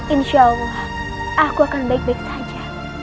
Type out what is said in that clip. insya allah aku akan baik baik saja